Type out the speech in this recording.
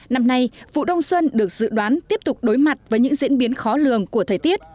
năm nay vụ đông xuân được dự đoán tiếp tục đối mặt với những diễn biến khó lường của thời tiết